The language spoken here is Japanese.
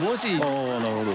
あぁなるほど。